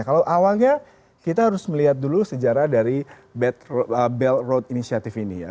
kalau awalnya kita harus melihat dulu sejarah dari belt road initiative ini ya